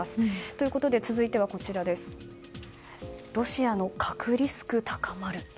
ということで続いてはロシアで核リスク高まる。